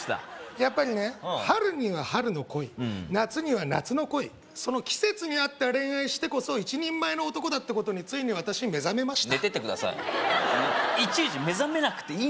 やっぱりね春には春の恋夏には夏の恋その季節に合った恋愛してこそ一人前の男だってことについに私目覚めました寝ててください